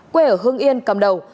quê ở hưng yên cầm đầu